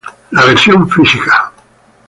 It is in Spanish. La version fisica.